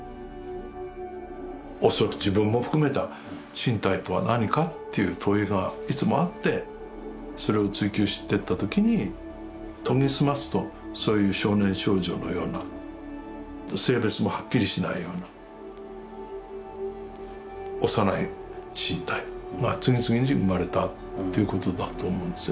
恐らく自分も含めた身体とは何かっていう問いがいつもあってそれを追求してった時に研ぎ澄ますとそういう少年少女のような性別もはっきりしないような幼い身体が次々に生まれたっていうことだと思うんですよね。